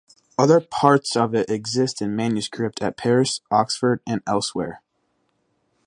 Other parts of it exist in manuscript at Paris, Oxford, and elsewhere.